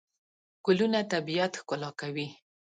ګلونه طبیعت ښکلا کوي.